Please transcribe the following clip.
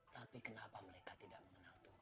tapi kenapa mereka tidak mengenal tuh